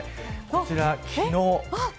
こちら、昨日です。